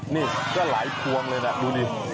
นี่ก็หลายพวงเลยนะดูดิ